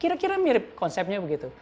kira kira mirip konsepnya begitu